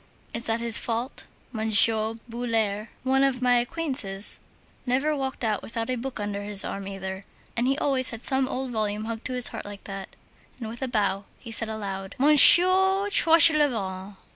Is that his fault? Monsieur Boulard, one of my acquaintances, never walked out without a book under his arm either, and he always had some old volume hugged to his heart like that." And, with a bow, he said aloud: "Monsieur Tranchelevent...."